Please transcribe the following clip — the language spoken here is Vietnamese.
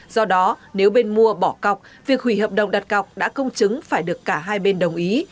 do đó nếu bên mua bỏ cọc việc hủy hợp đồng đặt cọc đã công chứng phải được cả hai bên đồng ý